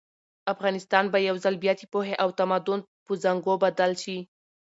افغانستان به یو ځل بیا د پوهې او تمدن په زانګو بدل شي.